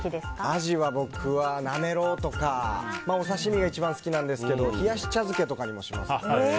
アジは僕はなめろうとかお刺し身が一番好きですけど冷やし茶漬けとかにもしますね。